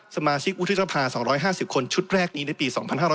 สมาชิกวุฒิสภา๒๕๐คนชุดแรกนี้ในปี๒๕๕๙